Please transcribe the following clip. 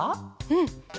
うん。